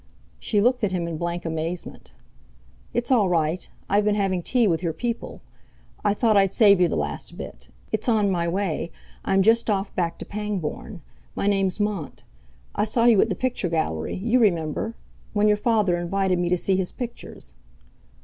She looked at him in blank amazement. "It's all right, I've been having tea with your people. I thought I'd save you the last bit. It's on my way, I'm just off back to Pangbourne. My name's Mont. I saw you at the picture gallery—you remember—when your father invited me to see his pictures."